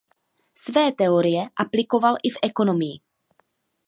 Své teorie aplikoval i v ekonomii.